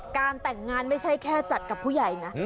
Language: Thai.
การแต่งงานไม่ใช่แค่จัดกับผู้ใหญ่นะ